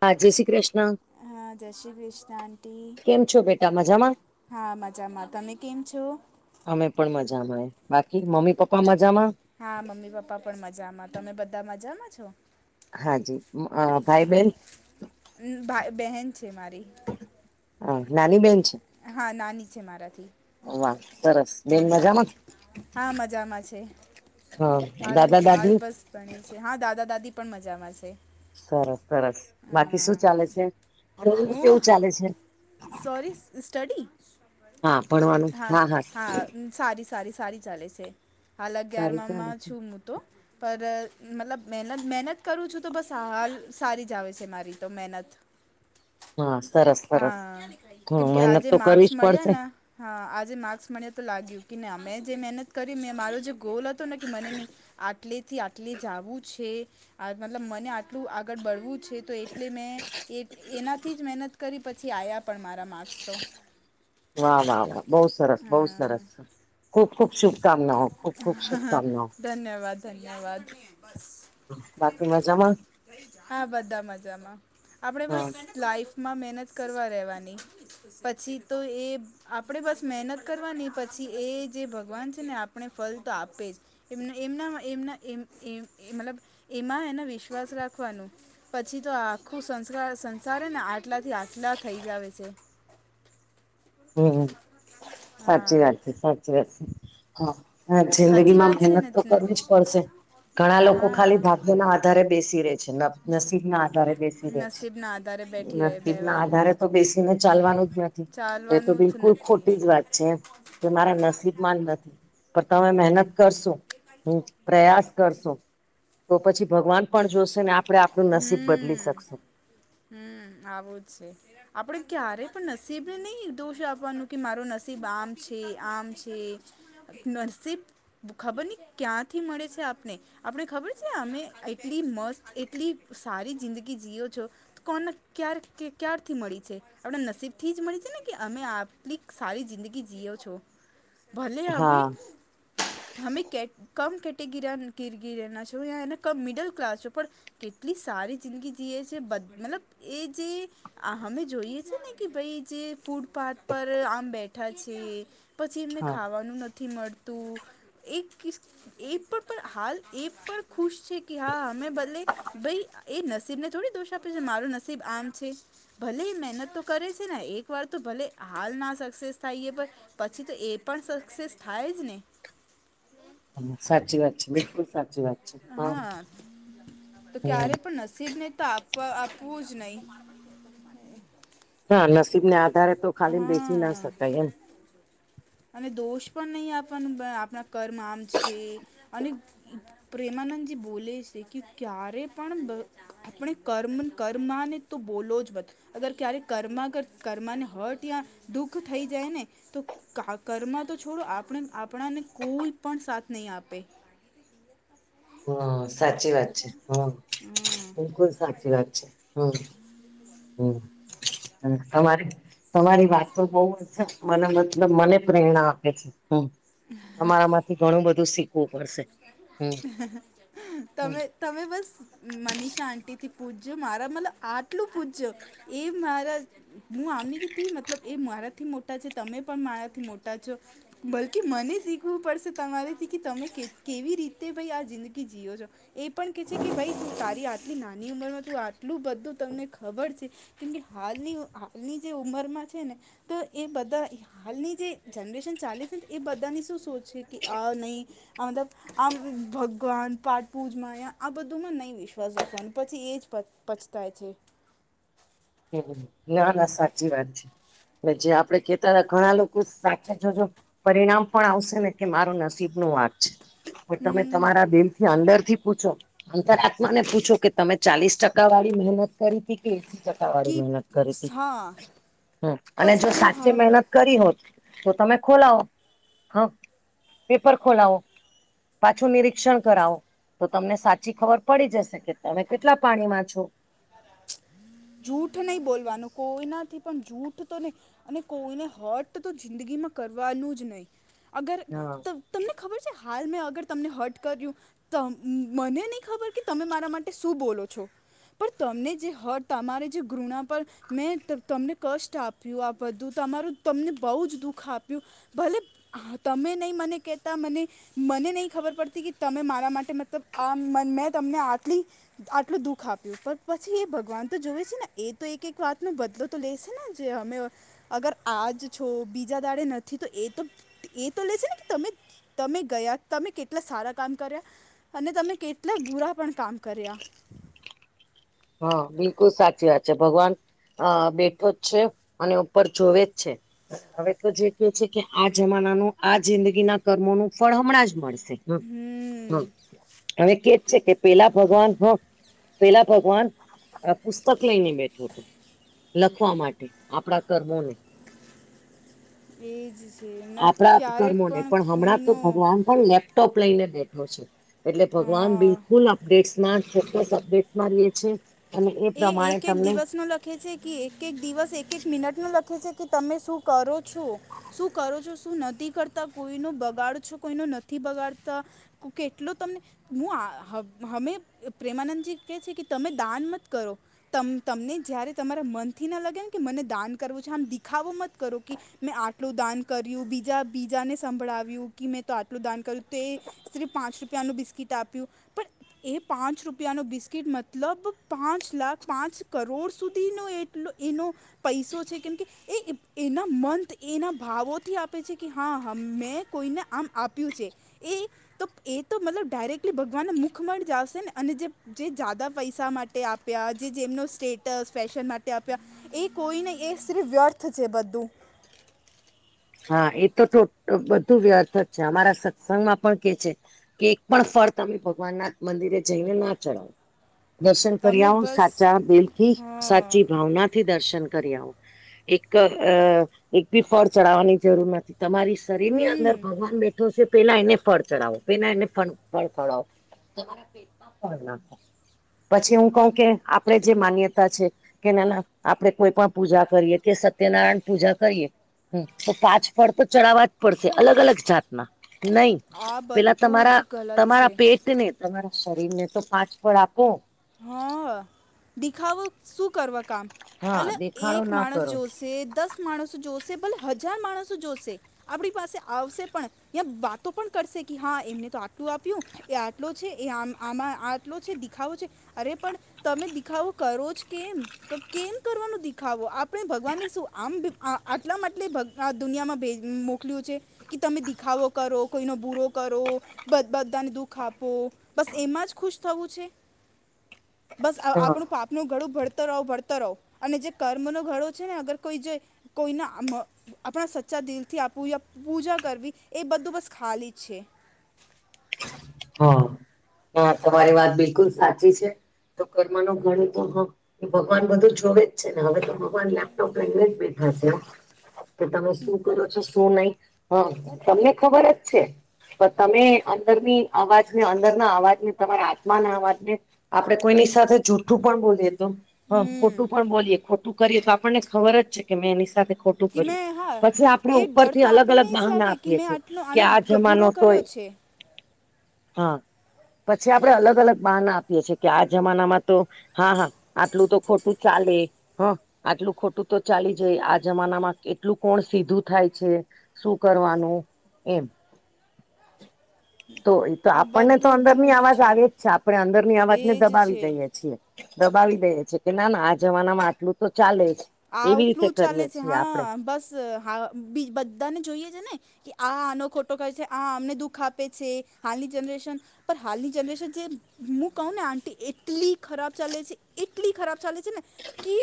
હા, જય શ્રી કૃષ્ણ. હા જય શ્રી કૃષ્ણ આંટી કેમ છો બેટા? મજામાં હા મજામાં. તમે કેમ છો? અમે પણ મજામાં. બાકી મમ્મી પપ્પા મજામાં? હા મમ્મી પપ્પા પણ મજામાં. તમે બધા મજામાં છો? હાજી મ અહ ભાઈબેન હમ્મ ભાઈ બહેન છે મારી. હ નાની બેન છે? હા નાની છે મારાથી. વા સરસ બેન હા મજામાં? હા મજામાં છે હા હાલ દાદા હાલ દાદી. બસ ભણે છે હા દાદા દાદી પણ મજામાં છે. સરસ સરસ બાકી શું અમ, ચાલે છે? કેવું કેવું હું ચાલે છે? Sorry study? હા ભણવાનું હા હા. હમ્મ સારી સારી સારી ચાલે છે. હાલ સારી અગિયારમાં ચાલે માં છે છું હું તો. પર અહ મતલબ મહેનત મહેનત કરું છું તો બસ હાલ સારી જ આવે છે મારી તો મહેનત. હા સરસ. સરસ હા હા કેમકે મહેનત આજે તો કરવી માર્ક્સ જ મળ્યા પડશે ના હા આજે માર્ક્સ મળ્યા તો લાગ્યું કે ના મેં જે મહેનત કરી મેં મારો જે ગોલ હતો ને કે મને નહીં આ ટલેથી આટલી જવું છે આ મતલબ મને આટલું આગળ બળવું છે તો એટલે મેં એ એનાથી જ મહેનત કરી પછી આયા પણ મારા માર્ક્સ તો. વાહ વાહ વાહ બહુ સરસ બહુ હા સરસ ખુબ ખુબ શુભકામનાઓ ખુબ ખુબ શુભકામનાઓ. ધન્યવાદ ધન્યવાદ. બાકી મજામાં? હા બધા મજામાં આપણડે હા બસ લાઈફમાં મહેનત કરવા રહેેવાની. પછી તો એ આપડે બસ મેહેનત કરવાની પછી એ જે ભગવાન છે ને આપડે ફલ તો આપે જ. એમ એમના એમના એમ એમ એ મતલબ એમાં એને વિશ્વાસ રાખ લખવાનું પછી તો આખું સંસકાર સંસાર ને આટલાથી આટલા થઈ જ આવે છે. હમ્મ હમ્મ સાચી હા વાત છે સાચી વાત છે. હા હ જિંદગી સાચી માં વાત છે મહેનત ને તો કરવી જ પડશે. ઘણા લોકો ખાલી હા ભાગ્ય ના આધારે બેસી રે છે નબ નસીબ ના આધારે બેસી તેવો છે. નસીબના આધારે બેઠી રહે નસીબ ના બેવા આધારે તો બેસીને ચાલવાનું જ નથી. એ તો ચાલવાનું જ બિલકુલ નથી ખોટી જ વાત છે એમ કે મારા નસીબમાં જ નથી પણ તમે મહેનત કરશું હમ્મ પ્રયાસ કરશું તો પછી ભગવાન પણ જોશે ને આપડે આપડું નસીબ બદલી શકશું. હમ્મ આવું જ છે. આપણે ક્યારે પણ નસીબને નહીં દોષ આપવાનું કે મારો નસીબ આમ છે, આમ છે, નરસીબ ખબર નહી ક્યાંથી મળે છે, આપને આપડ ખબર છે એ એટલી મસ્ત એટલી સારી જિંદગી જીયો છો કોન ક્યારે ક્યારથી મળી આપણા નસીબથી જ મળી છે ને કે અમે આલી સારી જિંદગી જીઓ છો. ભલે હા અભી. હમે કેટ કમ કેટેગરી કીરગીરના છો મિડલ ક્લાસ છો પણ કેટલી સારી જિંદગી જીએ છે બધ મતલબ એ જે આ હમે જોઈએ છે ને કે ભાઈ જે ફૂટપાથ પર આમ બેઠા છે, પછી એમને હા ખાવાનું નથી, થી મળતું એ કી એ તો પણ હાલ એ પણ ખુશ છે. હા મે ભલે ભાઈ એ નસીબ ને થોડી દોષ આપે છે, મારું નસીબ આમ છે, ભલે એ મહેનત તો કરે છે, એક વાર ભલે હાલ ના સક્સેસ થાય પણ પછી તો એ પણ સક્સેસ થાય જ ને સાચી વાત છે બિલકુલ સાચી વાત છે. હા તો હમ ક્યારે પણ નસીબ ને તો આપ આપવું જ નહી. હા નસીબને આધારે તો ખાલી બેસી હા ના શકાય એમ. અને દોષ પણ નહીં આપવાનું ભાઈ આપણા કર્મ આમ છે અને પ્રેમાનંદજી બોલે છે કે ક્યારે પણ આપણે કર્મ કર્માને તો બોલો જ બત અગર ક્યારે કર્મા કર્માને હત યાર દુઃખ થઈ જાય ને કા કર્મા તો છોડો આપણે આપણાને કોઈ પણ સાથ નહી આપે. [inaudible] હા સાચી વાત છે હમ હમ બિલકુલ સાચી વાત છે હમ. હમ હમ્મ તમારે તમારી વાત તો બહું છે મને મન મતલબ મને પ્રેરણા આપે. હમ તમારા માંથી ઘણું બધું શીખવું પડશે. હમ હમ તમે તમે બસ મનીષા આંટીથી પૂજજો મારા મતલબ આટલું પૂછજો એ મારા હું આમ ની કીટી મતલબ એ મારાથી મોટા છે તમે પણ મારાથી મોટા છો બલકી મને શીખવું પડશે તમારેથી કે તમેં કેવી રીતે ભાઈ આ જિંદગી જીઓ છો. એ પણ કે છે કે ભાઈ તું તારી આટલી નાની ઉંમરમાં તું આટલું બધું તમને ખબર છે, કેમકે હાલની હાલની જે ઉંમરમાં છે ને તો એ બધા હાલની જે જનરેશન ચાલે છે ને એ બધાની શું સોચ છે કે આ નહીં આ મતલબ આમ ભગવાન પાઠપૂજમાં આ બધુંમાં નહીં વિશ્વાસ રાખવાનું પછી એ જ પ પછતાય છે. હમ્મ હમ ના ના સાચી વાત છે. ને જે આપડે કેતા ને ઘણા લોકો સાથે જોજો પરિણામ પણ આવશે ને કે મારો નસીબનો વાંક છે, પણ તમે હમ તમારા બિ થી અંદર થી પૂછો, અંતર આત્માને પૂછો કે તમે ચાલીસ ટકા વાળી મહેનત કરી કે, ટકાવારી કે મહેનત કરી તી હા હમ અને પછી જો તમે સાચે હ મહેનત કરી હોત તો તમે ખોલાવો હા પેપર ખોલાવો. પાછુ નિરીક્ષણ કરાવો. તો તમને સાચી ખબર પડી જશે કે તમે કેટલા પાણીમાં છો. જૂઠ નહી બોલવાનું કોઈના થી પણ જૂઠ તો નહીં અને કોઈને હર્ટ તો જિંદગીમાં કરવાનું જ નહી અગર હા ત તમને ખબર છે હાલ મેં અગર તમને હટ કર્યું. તો મને નહીં ખબર કે તમે મારા માટે શું બોલો છો. પણ તમને જે હર્ટ તમારે જે ઘૃણા પર મેં ત તમને કષ્ટ આપ્યું આ બધું તમારું તમને બહુ જ દુઃખ આપ્યું. ભલે તમે નહી મને કેતા મને મને નહી ખબર પડતી કે તમે મારા માટે મતલબ આ મેં તમને આટલી આટલું દુઃખ આપ ઉપર પછી એ ભગવાન તો જોવે છે ને એ તો એક એક વાત ન બદલો તો લે છે ને જે અમે અ અગર આજ છો બીજા દાડે નથી તો એ તો એ તો લે છે ને તમે તમે ગયા તમે કેટલા સારા કામ કર્યા અને તમે કેટલા બુરા પણ કામ કર્યા. હા બિલકુલ સાચી વાત છે ભગવાન હા બેઠો જ છે અને ઉપર જોવે જ છે. હવે તો જે કે છે કે આ જમાનાનું આ જિંદગીના કર્મો નું ફળ હમણાં જ મળશે. હમ હ હવે કેજ છે કે પેલા ભગવાન હ પેલા ભગવાન. આ પુસ્તક લઈને બેઠો લખવા માટે આપણા કર્મોનું એ જ છે ન આપણા ક્યારે કર્મોને પણ હમણાં તો કોઈનો ભગવાન. પણ લેપટોપ લઈને બેઠો છે એટલે ભગવાન હા બિલકુલ અપડેટશમાં ફોકસ અપડેટસ મારીએ છે. અને એ પ્રમાણે એક એક તમને દિવસનો લખે છે કે એક એક દિવસ એક એક મિનટ નું લખે છે કે તમે શું કરો છો શું કરો છો શું નથી કરતા કોઈનો બગાડ છો કોઈનો નથી બગાડતા. કેટલુ તમને હું આ હ હમે પ્રેમાનંદજી કે છે કે તમે દાન માં કરો ત તમને જયારે તમારા મનથી ના લગે ને કે મને દાન કરવું છે આમ દીખાવો મત કરો કી મેં આટલું દાન કર્યું બીજા બીજાને સંભળાવ્યું કી મેં તો આટલું દાન કર્યું તો સ્ત્રી પાંચ રૂપિયાનું બિસ્કીટ આપ્યું પણ એ પાંચ રૂપિયાનુ બિસ્કિટ મતલબ પાંચ લાખ પાંચ કરોડ સુધીનો એટલો એનો પૈસો છે કેમકે એ એના મંત એના ભાવોથી આપે છે કે હા મે કોઈને આમ આપ્યું છે. એ તો એ તો મતલબ ડાયરેક્ટલી ભગવાનના મુખમાં જ આવશે ને અને જે જે જાદા પૈસા માટે આપ્યા જે જેમનો સ્ટેટસ ફેશન માટે આપ્યા. એ કોઈ નહી એ સિર્ફ વ્યર્થ છે બધું હા એ તો બધું વ્યર્થ જ છે અમારા સત્સંગ માં પણ કે છે. કે એક પણ ફળ તમે ભગવાન ના મંદિરે જઈને ના ચડાવો. દર્શન કરી તમે આવો બસ સાચા દિલ થી હા સાચી ભાવના થી દર્શન કરી આવો એક એક બી ફળ ચડાવવાની જરૂર નથી. તમારી શરીર ની અંદર ભગવાન બેઠો છે. પેલા એને ફળ ચડાવો પેલા એને ફળ ફડાવો. પછી હુ કવ પર કે આપડે જે માન્યતા છે. કે નાના આપડે કોઈ પણ પૂજા કરીએ કે સત્યનારાયણ પૂજા કરીએ. હમ તો પાંચ ફળ તો ચડાવવા જ પડશે અલગ અલગ જાતના નહી. આ પેલા બધું તમારા જ ગલત છે તમારા પેટને તમારા શરીર ને તો પાંચફળ આપો. હ દિખાવ શું કરવા કામ હા અલ દેખાડો એક ના માણસ કરો જોશે દસ માણસો જોશે ભલે હજાર માણસો જોશે. આપડી પાસે આવશે પણ યા વાતો પણ કરશે કે હા એમને તો આટલું આપ્યું. એ આટલો છે એ આમ આમાં આટલો છે દેખાવો છે. અરે પણ તમે દિખાવો કરો જ કેમ કેમ કરવાનું દેખાવો આપ પણે ભગવાનને શું આમ આટલામાં આટલે દુનિયામાં ભેરવીને મોકલ્યું છે. કે તમે દેખાવો કરો કોઈનો બુરો કરો બદ બધાને દુઃખ આપો બસ એમાં જ ખુશ થવું છે બસ હા આપણું પાપ નું ઘડું ભડત રહો ભડત રહો અને જે કર્મનો ઘડો છે ને અગર કોઈ જો કોઈના મ આપણા સચ્ચા દિલથી આપું પૂજા કરવી એ બધું બસ્સ ખાલી છે હા તમારી વાત બિલકુલ સાચી છે તો કર્મનું ઘડું તો હા એ ભગવાન બધું જોવે છે ને હવે તો ભગવાન લેપટોપ લઈને જ બેઠા છે તમે શું કરો છો શું નહી હા તમને ખબર જ છે પણ તમે અંદરની અવાજને અંદરના અવાજને તમારા આત્માના અવાજને આપડે કોઈની સ જૂઠું પણ બોલીએ તો હ ખોટું પણ બોલીએ ખોટું કરીએ તો આપણને ખબર છે કે મેં એની સાથે ખો ટુ કે કર્યું મેં હા પછી આપણે એ ડર ઉપરથી તો અલગ અલગ આપણને જ બહના લાગે કે આપીએ મેં છેએ આટલો કે આનો આ ગ- બુરો જમાનો કર્યો તોય છે હા પછી આપણે અલગ અલગ બહના આપીએ છેએ કે આ જમાનામાં તો હા હા આટલું તો ખોટું ચાલે હા આટલું ખોટું તો ચાલી જાય આ જમાનામાં કેટલું કોણ સીધું થાય છે શું કરવાનું એમ તો એ તો આ આપણને તો બધું અંદરની જૂઠ અવાજ આવે જ છે આપણે અંદરની એ અવાજને જ દબાવી છે દઈએ છીએ દબાવી દે છે કે ના ના આ જમાનામાં આટલું તો ચાલે જ એવી રીતે આટલું ચાલે કરીએ છે છીએ આપણે હા બસ હા બધાને જોઈએ છે ને કે આ આનો ખોટો કરે છે આ આમને દુઃખ આપે છે હાલની જનરેશન પણ હાલની જનરેશન જે હું કહું ને આંટી એટલી ખરાબ ચાલે છે એટલી ખરાબ ચાલે છે ને કે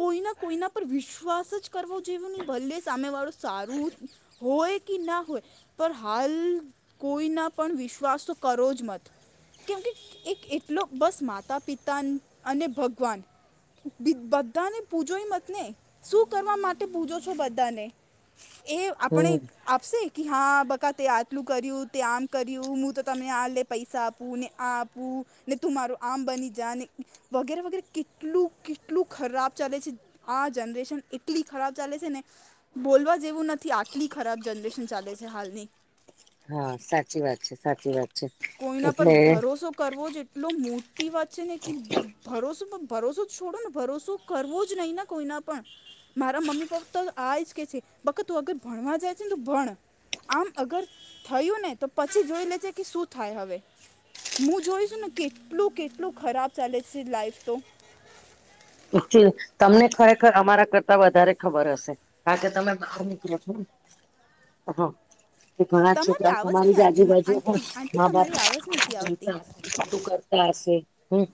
કોઈ ના કોઈના પર વિશ્વાસ જ કરવો જેવું નહી ભલે સામે વાળું સારું હોય કે ના હોય પણ હાલ કોઈના પણ વિશ્વાસ તો કરો જ મત કેમકે એક એટલો બસ માતા પિતા અને ભગવાન બી બધાને પૂજોય મત ને શું કરવા માટે પૂજો છો બધાને એ આપણે હમ આપશે કે હા બકા તે આટલું કર્યું તે આમ કર્યું હું તો તમને આ લે પૈસા આપું ને આ વું ને તું મારું આમ બની જા ને વગેરે વગેરે કેટલું કેટલું ખરાબ ચાલે છે આ જનરેશન એટલી ખરાબ ચાલે છે ને બોલવા જેવું નથી આટલી ખરાબ જનરેશન ચાલે છે હાલની હા સાચી વાત છે સાચી વાત છે કોઈના પર એટલે ભરોસો કરવો જ એટલો મોટી વાત છે ને કે ભરોસો ભરોસો છોડો ને ભરોસો કરવો જ નહી ને કોઈના પણ મારા મમ્મી પપ્પા તો આજ કે છે બકા તું અગર ભણવા જાય છે ને તું ભણ આમ અગર થયું ને તો પછી જોઈ લેજે કે શું થાય હવે હું જોઈશુંને કેટલું કેટલું ખરાબ ચાલે લાઈફ તો એચ્યુલ તમને ખરેખર અમારા કરતા વધારે ખબર હશે. હા તો તમે [unintelligible] હા કે ઘણા છોકરાઓ આવાજ તમારી નહીં જ આજુ આવતી મા- બાજુ હો આંટી [unintelligible] આંટી મા બાપ તમારી આવાજ નથી આવતી [inaudible] ખોટું કરતા હશે હમ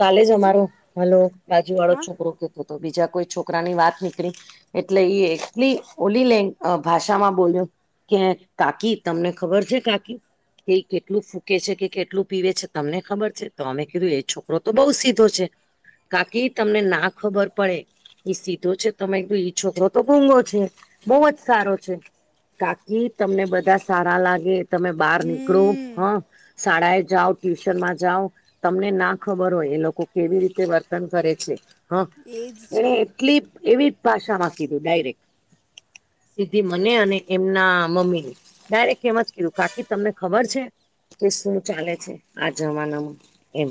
કાલે જ શું અમારો હલો બાજુ વાળો હા છોકરો કેતો હતો બીજા કોઈ છોકરાની વાત નીકળી એટલે એ એટલી ઓલી લ [unintelligible] ભાષામાં બોલ્યો. કે કાકી તમને ખબર છે કાકી કે કેટલું ફૂકે છે કે કેટલું પીવે છે? તમને ખબર છે તો અમે કીધું એ છોકરો તો બહુ સીધો છે. કાકી તમને ના ખબર પડે? એ સીધો છે, તમે એક છોકરો તો ગૂંગો છે બહુ જ સારો છે. કાકી તમને બધા સારા લાગે તમે બાર નીકળો. હ હમ શાળાએ જાઓ ટ્યુશનમાં જાઓ તમને ના ખબર હોય એ લોકો કેવી રીતે વર્તન કરે છે, એ જ હ છે એણે એટલી એવી ભાષા માં કીધું ડાયરેક્ટ સીધી મને અને એમના મમ્મીને ડાયરેક્ટ એમ જ કીધું કાકી તમને ખબર છે? કે શું ચાલે છે. આ જમાનામાં એમ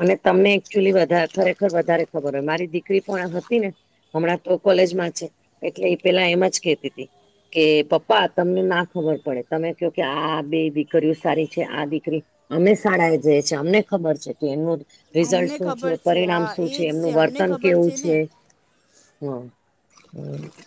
અને તમને એકચુલી વધારે ખરેખર વધારે ખબર હોય મારી દીકરી પણ આ હતી ને હમણાં તો કોલેજમાં છે એટલે એ પેલા એમ જ કેતી તી. કે પપ્પા તમને ના ખબર પડે તમે કયો કે આ બે દીકરીઓ સારી છે આ દીકરી અમે શાળાએ જઈએ છીએ અમને ખબર છે. કે એમનું રિઝલ્ટ અમને શું છે, ખબર પરિણામ હા શું એ છે, જ એમનું અમને વર્તન ખબર કેવું ને છે હ હમ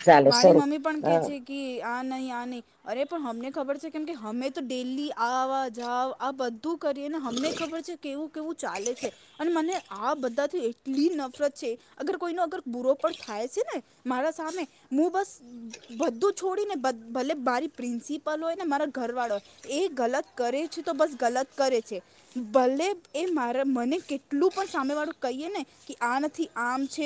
ચાલો મારી શરૂ મમ્મી પણ હ કે છે કે આ નહી આ નહી. અરે પણ હમને ખબર છે કેમ કે હમે તો ડેયલી આવા જાવ આ બધ ધુ કરીએ અને હમને ખબર છે, કેવું કેવું ચાલે છે. અને મને આ બધાથી એટલી નફરત છે, અગર કોઈ નો અગર બુરો પણ થાય સે ને મારા સામે મુું બસ બધું છોડીને ભલે મારી પ્રિન્સિપલ હોય ને મારા ઘરવાળા હોય. એ ગલત કરે છે તો બસ ગલત કરે છે. ભલે એ મારા મને કેટલું પણ સામે વાળું કહીએ ને કે આ નથી આમ છે.